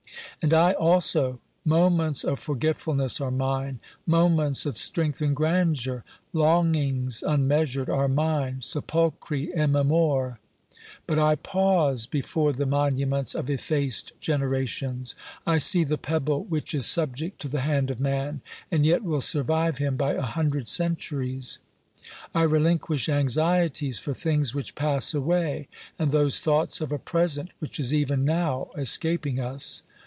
And I also, moments of forgetfulness are mine, moments of strength and grandeur ; longings unmeasured are mine — sepulchri vmne7nor } But 1 pause before the monuments of effaced generations ; I see the pebble which is subject to the hand of man, and yet will survive him by a hundred centuries. I relinquish anxieties for things which pass away, and those thoughts of a present which is even now escaping us.